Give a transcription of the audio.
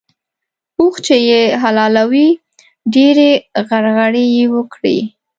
اوښ چې يې حلالوی؛ ډېرې غرغړې يې وکړې.